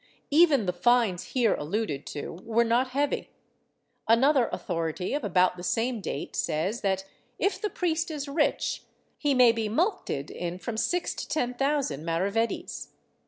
^ Even the fines here alluded to were not heavy. Another authority of about the same date says that, if the priest is rich, he may be mulcted in from six to ten thousand maravedis."